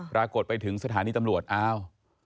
ปรากฏไปถึงสถานีตำรวจอ้าว